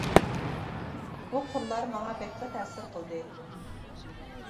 بۇ قۇرلار ماڭا بەكلا تەسىر قىلدى.